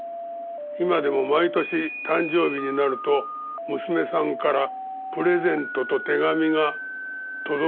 今でも毎年誕生日になると娘さんからプレゼントと手紙が届くんだそうだ。